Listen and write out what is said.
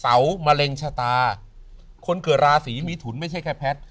มะเร็งชะตาคนเกิดราศีมิถุนไม่ใช่แค่แพทย์